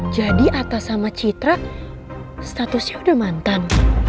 jadi atas sama citra statusnya udah mantan